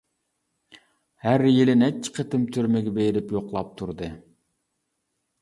ھەر يىلى نەچچە قېتىم تۈرمىگە بېرىپ يوقلاپ تۇردى.